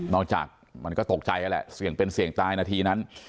จากมันก็ตกใจนั่นแหละเสี่ยงเป็นเสี่ยงตายนาทีนั้น